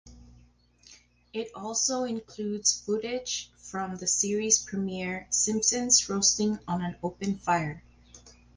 It also includes footage from the series premiere "Simpsons Roasting on an Open Fire".